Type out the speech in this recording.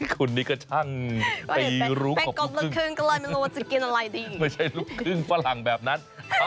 กลบลึกคืองฝรั่งแบบนั้น